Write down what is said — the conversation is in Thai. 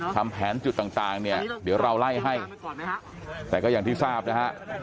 ทำแผนจุดต่างเนี่ยเดี๋ยวเราไล่ให้แต่ก็อย่างที่ทราบนะฮะ